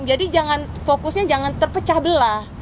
fokusnya jangan terpecah belah